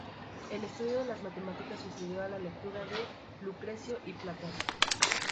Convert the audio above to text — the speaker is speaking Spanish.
El estudio de las matemáticas sucedió a la lectura de Lucrecio y Platón.